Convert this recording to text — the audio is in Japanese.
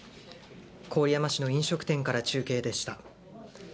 郡山市の飲食店から中継でした。